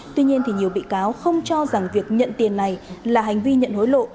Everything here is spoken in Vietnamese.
tuy nhiên nhiều bị cáo không cho rằng việc nhận tiền này là hành vi nhận hối lộ